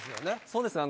そうですね